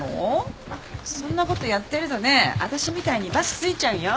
そんなことやってるとねあたしみたいにバツついちゃうよ。